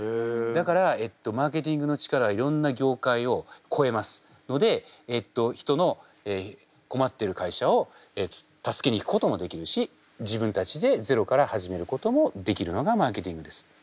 だからマーケティングの力はいろんな業界を超えますのでえっと人の困っている会社を助けに行くこともできるし自分たちでゼロから始めることもできるのがマーケティングです。